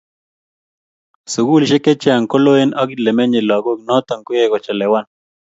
sukulisiek chechang koloen ak lemenyei lakok notok koyaei kochelewan